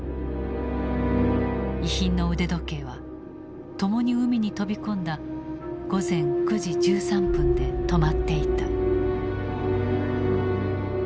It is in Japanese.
遺品の腕時計は共に海に飛び込んだ午前９時１３分で止まっていた。